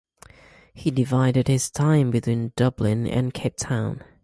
He divided his time between Dublin and Cape Town.